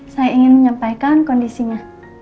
saya ingin menyampaikan kondisinya